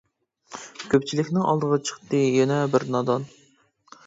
كۆپچىلىكنىڭ ئالدىغا، چىقتى يەنە بىر نادان.